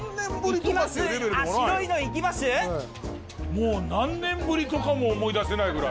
もう何年ぶりとかも思い出せないぐらい。